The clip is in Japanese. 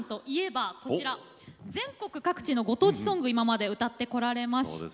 全国各地のご当地ソングをこれまで歌ってこられました。